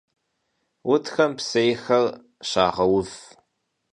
Утхэм псейхэр щагъэув.